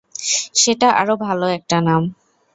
সেটা আরো ভালো একটা নাম!